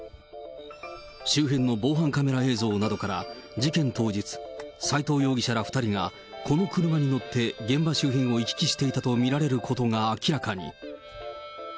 周辺の防犯カメラ映像などから、事件当日、斎藤容疑者ら２人がこの車に乗って現場周辺を行き来していたと見られることが明らかに。